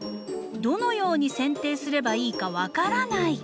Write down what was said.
「どのようにせん定すればいいか分からない」。